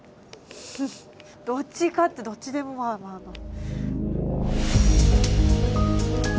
どっちかってどっちでもまあまあまあ。